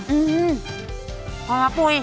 อืมพอมาคุย